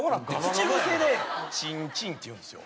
口癖で「チンチン」って言うんですよ。